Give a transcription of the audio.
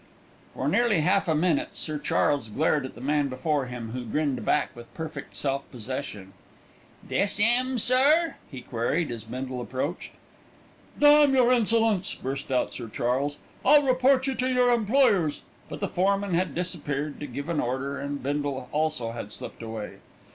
For nearly half a minute Sir Charles glared at the man before him, who grinned back with perfect self possession. "This 'im, sir?" he queried, as Bindle approached. "Damn your insolence!" burst out Sir Charles. "I'll report you to your employers!" But the foreman had disappeared to give an order, and Bindle also had slipped away.